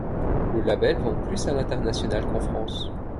Le label vend plus à l'international qu'en France.